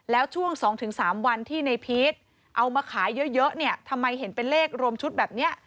แล้วช่วง๒๓วันที่ในพีชเอามาขายเยอะเนี่ยทำไมเห็นเป็นเลขรวมชุดแบบนี้